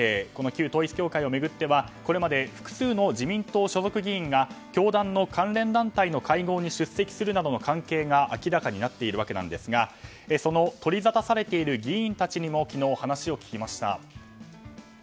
旧統一教会を巡ってはこれまで複数の自民党所属議員が教団の関連団体の会合に出席するなどの関係が明らかになっているわけなんですがその取りざたされている議員たちにも昨日、話を聞きました。